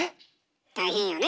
大変よね